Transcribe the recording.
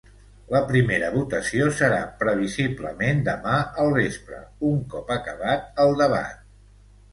La primera votació serà previsiblement demà al vespre, un cop acabat el debat.